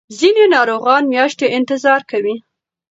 ځینې ناروغان میاشتې انتظار کوي.